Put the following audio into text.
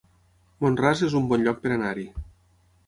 Mont-ras es un bon lloc per anar-hi